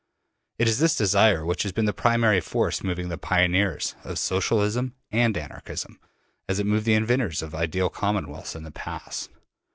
It is this desire which has been the primary force moving the pioneers of Socialism and Anarchism, as it moved the inventors of ideal commonwealths in the past.